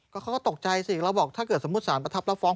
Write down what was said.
เขาก็ตกใจสิเราบอกถ้าเกิดสมมุติสารประทับแล้วฟ้อง